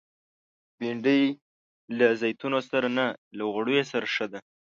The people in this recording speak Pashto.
بېنډۍ له زیتونو سره نه، له غوړیو سره ښه ده